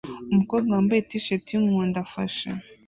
Umukobwa wambaye t-shirt yumuhondo afashe